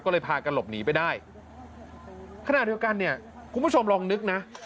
ก็เลยพากันหลบหนีไปได้ขณะเดียวกันเนี่ยคุณผู้ชมลองนึกนะ